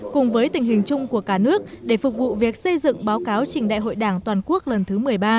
cùng với tình hình chung của cả nước để phục vụ việc xây dựng báo cáo trình đại hội đảng toàn quốc lần thứ một mươi ba